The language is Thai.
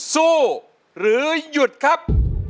สู้หรือหยุดครับ